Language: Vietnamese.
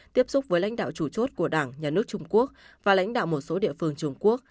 tiếp xúc với lãnh đạo chủ chốt của đảng nhà nước trung quốc và lãnh đạo một số địa phương trung quốc